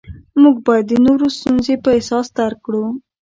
موږ باید د نورو ستونزې په احساس درک کړو